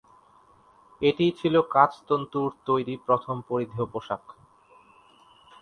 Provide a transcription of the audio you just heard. এটিই ছিল কাচ তন্তুর তৈরী প্রথম পরিধেয় পোশাক।